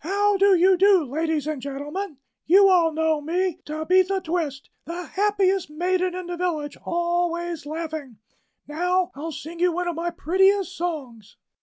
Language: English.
"How do you do, ladies and gentlemen? You all know me, Tabitha Twist, the happiest maiden in the village; always laughing. Now, I'll sing you one of my prettiest songs."